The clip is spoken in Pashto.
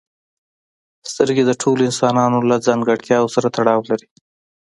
سترګې د ټولو انسانانو له ځانګړتیاوو سره تړاو لري.